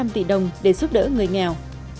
một tám trăm linh tỷ đồng để giúp đỡ người nghèo